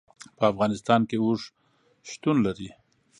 په افغانستان کې اوښ شتون لري.